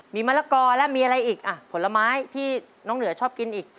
มีมะละกอแล้วมีอะไรอีกอ่ะผลไม้ที่น้องเหนือชอบกินอีก